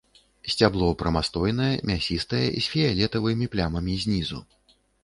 Сцябло прамастойнае, мясістае, з фіялетавымі плямамі знізу.